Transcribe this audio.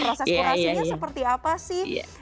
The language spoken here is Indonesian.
proses kurasinya seperti apa sih